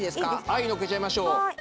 はいのっけちゃいましょう。